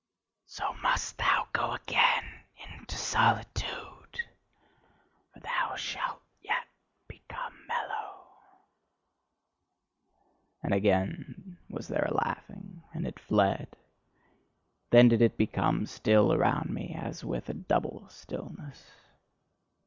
So must thou go again into solitude: for thou shalt yet become mellow." And again was there a laughing, and it fled: then did it become still around me, as with a double stillness.